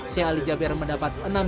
sheikh ali jaber mendapat enam juta dolar